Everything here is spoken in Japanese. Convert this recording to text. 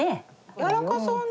やらかそうね。